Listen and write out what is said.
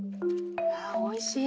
おいしい。